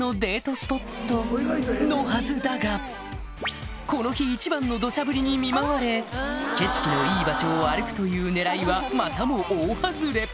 スポットのはずだがこの日一番の土砂降りに見舞われ景色のいい場所を歩くという狙いはまたも大外れ